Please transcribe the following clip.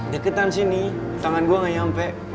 deketan sini tangan gue gak nyampe